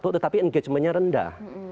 tetapi engagementnya rendah